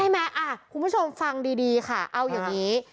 คุณผู้ชมฟังดีค่ะเอาอย่างนี้